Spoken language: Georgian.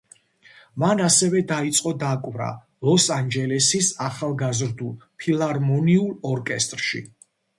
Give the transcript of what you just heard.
მან ასევე დაიწყო დაკვრა ლოს ანჯელესის ახალგაზრდულ ფილარმონიულ ორკესტრში.